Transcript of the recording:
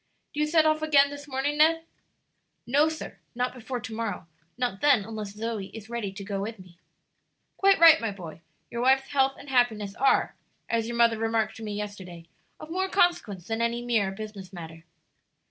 Do you set off again this morning, Ned?" "No, sir; not before to morrow; not then unless Zoe is ready to go with me." "Quite right, my boy, your wife's health and happiness are, as your mother remarked to me yesterday, of more consequence than any mere business matter."